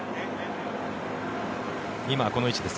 今、この位置です。